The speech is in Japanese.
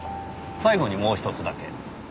最後にもう一つだけ。